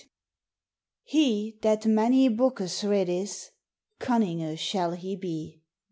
He that many bokes redys, Cunnyinge shall he be.